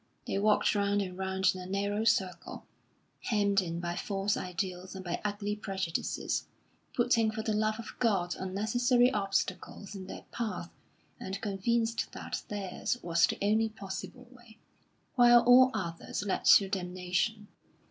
They walked round and round in a narrow circle, hemmed in by false ideals and by ugly prejudices, putting for the love of God unnecessary obstacles in their path and convinced that theirs was the only possible way, while all others led to damnation.